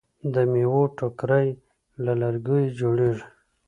د میوو ټوکرۍ له لرګیو جوړیږي.